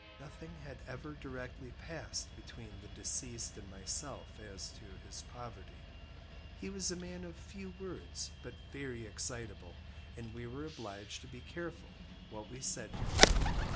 Nothing had ever directly passed between the deceased and myself as to his poverty. He was a man of few words, but very excitable, and we were obliged to be careful what we said to him.